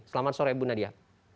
selamat sore bu nadia